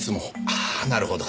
ああなるほど。